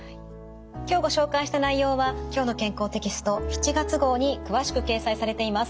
今日ご紹介した内容は「きょうの健康」テキスト７月号に詳しく掲載されています。